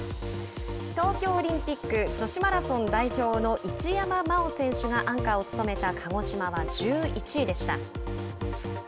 東京オリンピック女子マラソン代表の一山麻緒選手がアンカーを務めた鹿児島は１１位でした。